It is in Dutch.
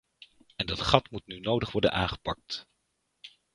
En dat gat moet nu nodig worden aangepakt.